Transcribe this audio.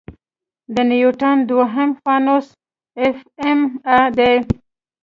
د نیوټن دوهم قانون F=ma دی.